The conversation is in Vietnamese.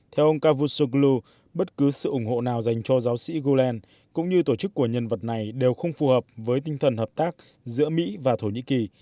theo ông cavusoglu bất cứ sự ủng hộ nào dành cho giáo sĩ gulen cũng như tổ chức của nhân vật này đều không phù hợp với tinh thần hợp tác giữa mỹ và thổ nhĩ kỳ